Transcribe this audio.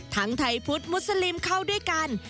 ทั้งไทยพุทธมุสลิมเข้าด้วยกัน